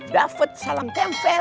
dapet salam kemvel